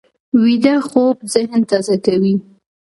ویده خوب ذهن تازه کوي